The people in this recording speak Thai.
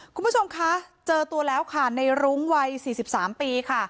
คุณผู้ชมคะเจอตัวแล้วค่ะในรุงวัยสี่สิบสามปีค่ะ